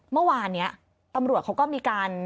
เมื่อวานนี้ตำรวจเขาก็มีการ